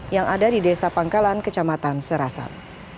yang ada di desa pangkalan kecamatan serasan